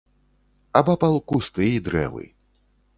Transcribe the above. Абапал кусты і дрэвы.